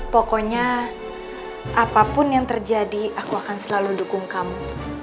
pokoknya apapun yang terjadi aku akan selalu dukung kamu